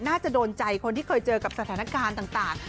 น่าจะโดนใจคนที่เคยเจอกับสถานการณ์ต่าง